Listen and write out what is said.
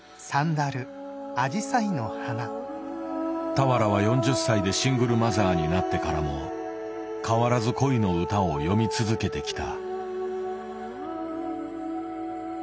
俵は４０歳でシングルマザーになってからも変わらず恋の歌を詠み続けてきた。